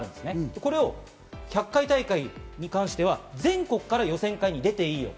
これを１００回大会に関しては、全国から予選会に出ていいよと。